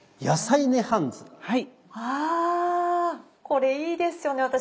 あこれいいですよね。